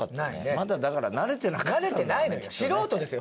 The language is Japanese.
まだだから慣れてないのよ